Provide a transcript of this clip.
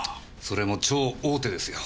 それも超大手ですよ。